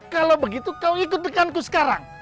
kalau begitu kau ikut dekanku sekarang